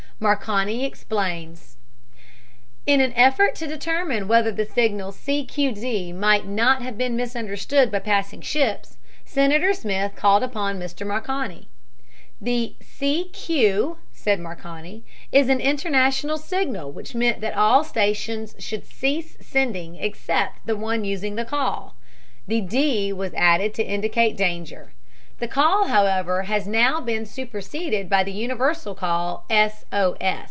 MARCONI EXPLAINS In an effort to determine whether the signal "C. Q. D." might not have been misunderstood by passing ships, Senator Smith called upon Mr. Marconi. "The 'C. Q.,'" said Marconi, "is an international signal which meant that all stations should cease sending except the one using the call. The 'D.' was added to indicate danger. The call, however, now has been superseded by the universal call, 'S. O.